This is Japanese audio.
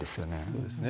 そうですね。